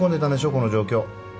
この状況。